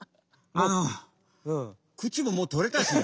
あの口ももうとれたし。